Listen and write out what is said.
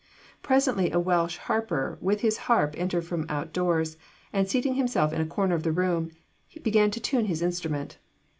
Presently a Welsh harper with his harp entered from out doors, and, seating himself in a corner of the room, began to tune his instrument.